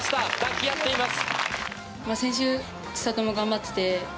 抱き合っています。